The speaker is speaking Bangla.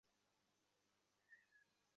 যদি তারা মারা যায়, তাদের ভুলে যা।